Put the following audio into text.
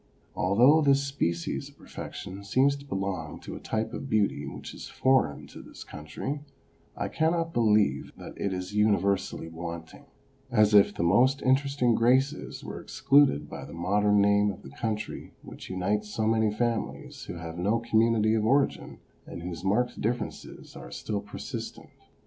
Although this species of perfection seems to belong to a type of beauty which is foreign to this country, I cannot believe that it is universally wanting, as if the most interesting graces were excluded by the modern name of the country which unites so many families who have no community of origin, and whose marked difi"erences are still persistent.